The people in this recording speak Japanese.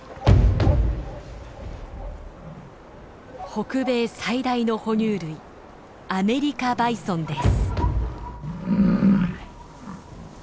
北米最大の哺乳類アメリカバイソンです。